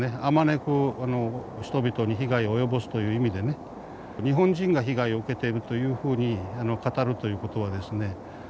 あまねく人々に被害を及ぼすという意味でね日本人が被害を受けているというふうに語るということはですね